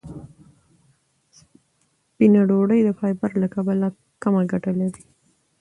سپینه ډوډۍ د فایبر له کبله کمه ګټه لري.